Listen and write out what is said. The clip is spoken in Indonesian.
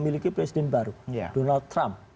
miliki presiden baru donald trump